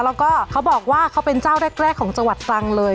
แล้วก็เขาบอกว่าเขาเป็นเจ้าแรกของจังหวัดตรังเลย